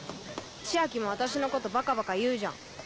千昭も私のことバカバカ言うじゃん。